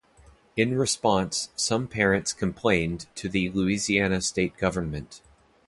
In response some parents complained to the Louisiana state government.